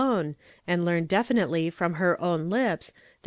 o, and learn definitely ft on. her own lius that l..